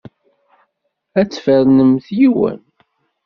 Ad tfernemt yiwen.